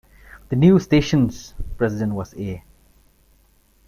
The new station's president was A.